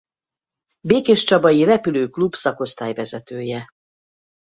Békéscsabai Repülő Klub szakosztály vezetője.